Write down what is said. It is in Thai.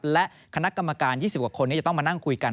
และคณะกรรมการ๒๐กว่าคนนี้จะต้องมานั่งคุยกัน